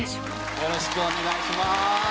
よろしくお願いします。